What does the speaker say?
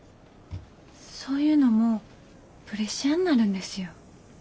そういうのもプレッシャーになるんですよ。